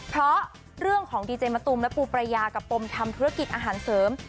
เพราะเรื่องของดีเจมะตูมและปูประยากับปมทำธุรกิจอาหารเสริม